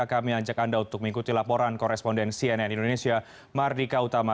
kami ajak anda untuk mengikuti laporan koresponden cnn indonesia mardika utama